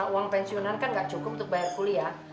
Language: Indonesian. uang pensiunan kan nggak cukup untuk bayar kuliah